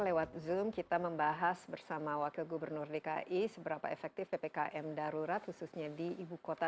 lewat zoom kita membahas bersama wakil gubernur dki seberapa efektif ppkm darurat khususnya di ibu kota